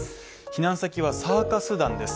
避難先はサーカス団です。